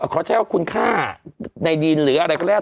ขอใช้ว่าคุณค่าในดินหรืออะไรก็แล้ว